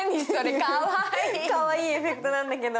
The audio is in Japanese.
かわいいエフェクトなんだけど。